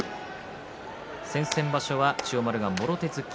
先々場所は千代丸がもろ手突き